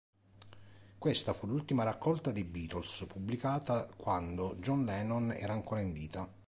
Questa fu l'ultima raccolta dei Beatles pubblicata quando John Lennon era ancora in vita.